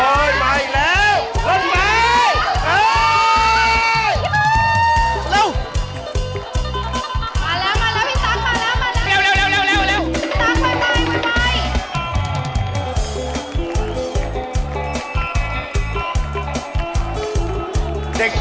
ต้องให้สวยด้วยนะครับ